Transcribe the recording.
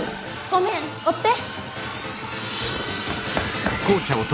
ごめん追って！